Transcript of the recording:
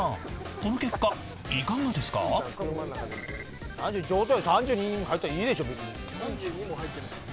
この結果いかがですか３２位に入ったらいいでしょ別に。